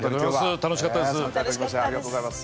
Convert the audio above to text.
楽しかったです。